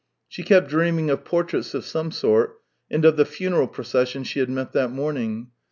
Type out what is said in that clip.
She kept dreaming of portraits of some sort, and of the funeral procession she had met that morning.